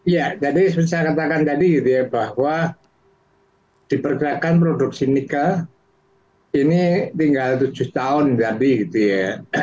ya jadi seperti saya katakan tadi gitu ya bahwa diperkirakan produksi nikel ini tinggal tujuh tahun lebih gitu ya